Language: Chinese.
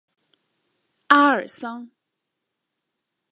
阿尔桑。